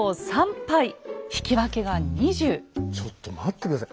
ちょっと待って下さい。